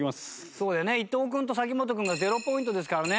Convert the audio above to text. そうよね伊藤君と嵜本君が０ポイントですからね。